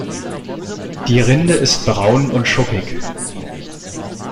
Die Rinde ist braun und schuppig.